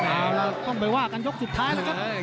เอาล่ะต้องไปว่ากันยกสุดท้ายแล้วครับ